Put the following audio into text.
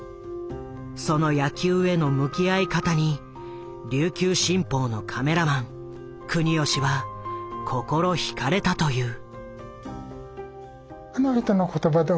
その野球への向き合い方に琉球新報のカメラマン國吉は心ひかれたという。